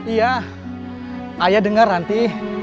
iya ayah dengar ranti